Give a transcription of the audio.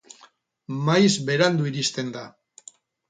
Maiz berandu iristen da.